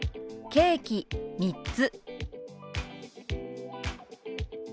「ケーキ３つ」。